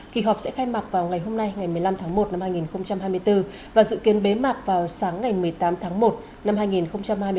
kỳ họp sẽ khai mạc vào ngày hôm nay ngày một mươi năm tháng một năm hai nghìn hai mươi bốn và dự kiến bế mạc vào sáng ngày một mươi tám tháng một năm hai nghìn hai mươi bốn